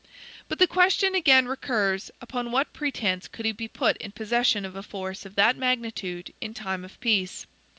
But the question again recurs, upon what pretense could he be put in possession of a force of that magnitude in time of peace?